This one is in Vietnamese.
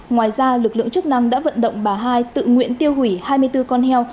ngoài ra lực lượng chức năng đã vận động bà hai tự nguyện tiêu hủy hai mươi bốn con heo